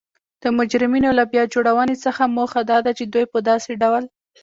د مجرمینو له بیا جوړونې څخه موخه دا ده چی دوی په داسې ډول